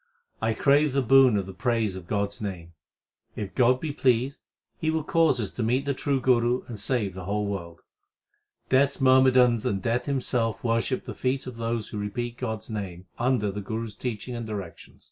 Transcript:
I crave the boon of the praise of God s name. If God be pleased, He will cause us to meet the true Guru and save the whole world. Death s myrmidons and Death himself worship the feet of those Who repeat God s name under the Guru s teaching and directions.